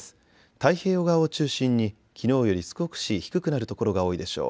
太平洋側を中心にきのうより少し低くなる所が多いでしょう。